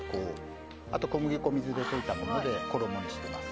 あとは小麦粉を水で溶いたものでコロッケにしてます。